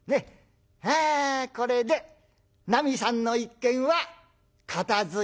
ああこれでなみさんの一件は片づいたね」。